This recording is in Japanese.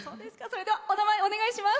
お名前、お願いします。